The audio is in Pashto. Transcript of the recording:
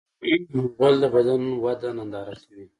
غول د بدن وده ننداره کوي.